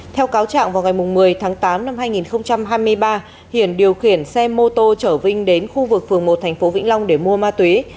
theo cáo trạng vào ngày một mươi tháng tám năm hai nghìn hai mươi ba hiển điều khiển xe mô tô chở vinh đến khu vực phường một thành phố vĩnh long để mua ma túy